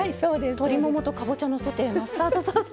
鶏ももとかぼちゃのソテー・マスタードソース。